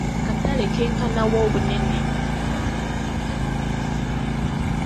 Akatale kenkana wa obunene?